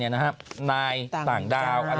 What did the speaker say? นายต่างดาว